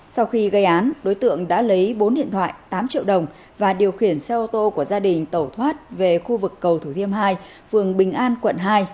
sau khi gây án đối tượng đã lấy bốn điện thoại tám triệu đồng và điều khiển xe ô tô của gia đình tẩu thoát về khu vực cầu thủ thiêm hai phường bình an quận hai